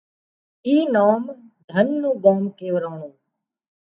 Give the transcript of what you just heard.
اي نام ڌن نُون ڳان ڪيوَراڻون